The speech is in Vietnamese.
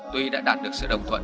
tuy đã đạt được sự đồng thuận